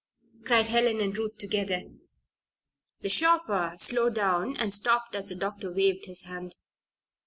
cried Helen and Ruth together. The chauffeur slowed down and stopped as the doctor waved his hand.